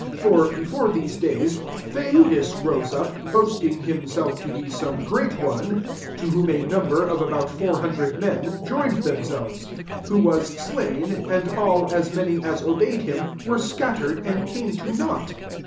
36 For, before these days, Theudas rose up, boasting himself to be some great one ; to whom a pumber, of about four hundred men, joined themselves : who was slain ; and all, as many as obey ed him, were scattered and came to nought.